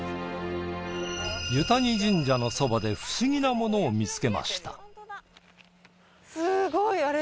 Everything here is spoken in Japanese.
湯谷神社のそばで不思議なものを見つけました。